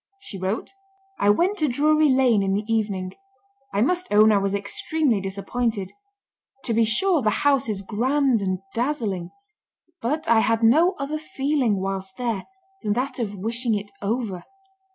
She wrote: "I went to Drury Lane in the evening. I must own I was extremely disappointed; to be sure, the house is grand and dazzling; but I had no other feeling whilst there than that of wishing it over....